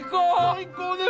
最高です！